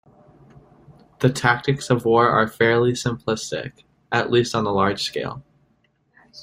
The tactics of the war are fairly simplistic, at least on the large scale.